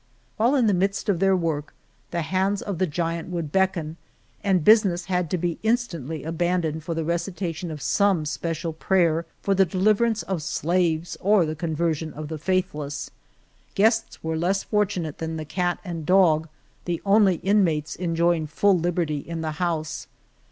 While in the midst of their work, the hands of the giant would beckon, and business had to be in stantly abandoned for the recitation of some special prayer for the deliverance of slaves or the conversion of the faithless. Guests were less fortunate than the cat and dog, the only inmates enjoying full liberty in the house.